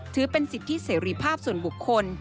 ถือเป็นสิทธิเสรีภาพส่วนบุคคล